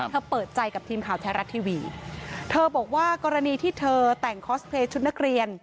เปิดใจกับทีมข่าวแท้รัฐทีวีเธอบอกว่ากรณีที่เธอแต่งคอสเพลย์ชุดนักเรียน